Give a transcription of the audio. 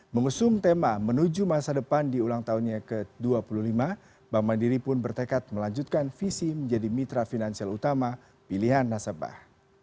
mengusung tema menuju masa depan di ulang tahunnya ke dua puluh lima bank mandiri pun bertekad melanjutkan visi menjadi mitra finansial utama pilihan nasabah